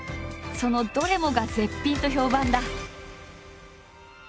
そのどれもが絶品と評判だ。